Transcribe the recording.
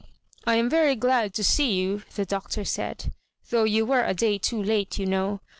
I am very glad to see you," the Doctor said, " though you were a day too late, you know.